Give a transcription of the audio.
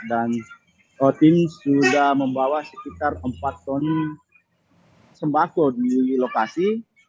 dan tim sudah membawa sekitar empat ton sembako di lokasi